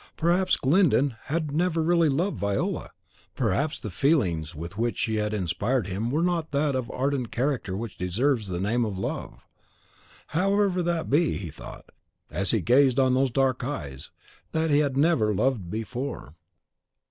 Perhaps Glyndon had never really loved Viola; perhaps the feelings with which she had inspired him were not of that ardent character which deserves the name of love. However that be, he thought, as he gazed on those dark eyes, that he had never loved before.